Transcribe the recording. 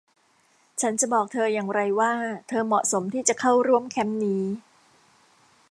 ฉันจะบอกเธออย่างไรว่าเธอเหมาะสมที่จะเข้าร่วมแคมป์นี้ ?